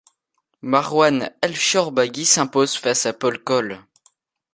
Marwan El Shorbagy s'impose face à Paul Coll.